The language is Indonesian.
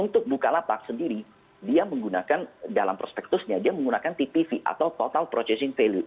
untuk bukalapak sendiri dia menggunakan dalam prospektusnya dia menggunakan tpv atau total processing value